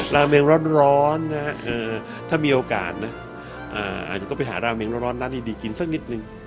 ราเมงร้อนนะถ้ามีโอกาสนะอาจจะต้องไปหาราเมงร้อนร้านดีกินสักนิดนึง